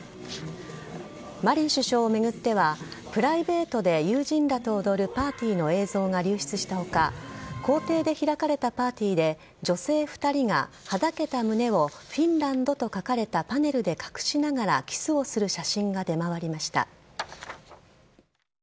マリン首相を巡ってはプライベートで友人らと踊るパーティーの映像が流出した他公邸で開かれたパーティーで女性２人がはだけた胸をフィンランドと書かれたパネルで隠しながらキスをする写真が出回りました。